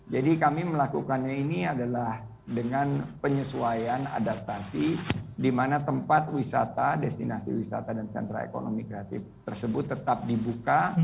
kami melakukannya ini adalah dengan penyesuaian adaptasi di mana tempat wisata destinasi wisata dan sentra ekonomi kreatif tersebut tetap dibuka